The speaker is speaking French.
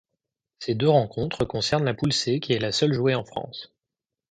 Ces deux rencontres concernent la poule C qui est la seule jouée en France.